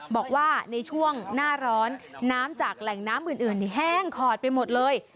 บอกว่าในช่วงหน้าร้อนน้ำจากแหล่งน้ำอื่นแห้งขอดไปหมดเลย